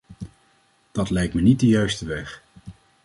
Dat lijkt me niet de juiste weg.